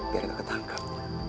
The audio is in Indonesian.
biar gak ketangkap